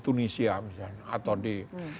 tunisia misalnya atau di